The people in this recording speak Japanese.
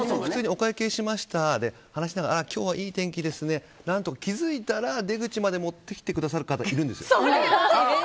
お会計しましたで今日はいい天気ですねって言って気づいたら出口まで持ってきてくださる方もいるんですよね。